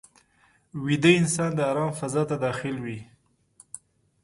ویده انسان د آرام فضا ته داخل وي